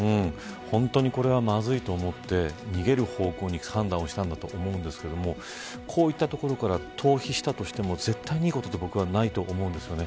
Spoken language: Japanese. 本当にこれはまずいと思って逃げる方向にいく判断をしたんだと思うんですけどこういったところから逃避したとしても絶対にいいことは僕はないと思うんですよね。